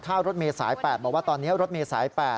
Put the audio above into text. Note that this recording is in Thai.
ถ้ารถเมย์สาย๘บอกว่าตอนนี้รถเมษาย๘